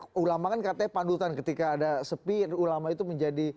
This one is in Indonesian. ada ini kan ulama kan katanya pandutan ketika ada sepi ulama itu menjadi